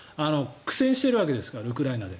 苦戦しているわけですからウクライナで。